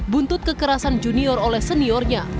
buntut kekerasan junior oleh seniornya